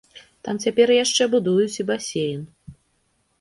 Там цяпер яшчэ будуюць і басейн.